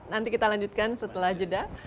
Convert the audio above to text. nanti kita lanjutkan setelah jeda